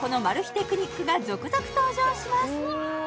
テクニックが続々登場します